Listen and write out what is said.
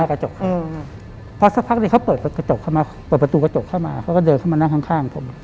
อยู่ข้างหน้ากระจกเพราะสักพักเดี๋ยวเขาเปิดประตูกระจกเข้ามาเขาก็เดินเข้ามานั่งข้างผม